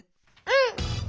うん！